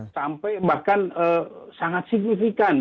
sampai bahkan sangat signifikan